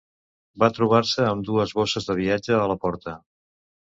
Va trobar-se amb dues bosses de viatge a la porta.